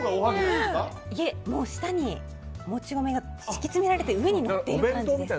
下にもち米が敷き詰められて上にのっている感じです。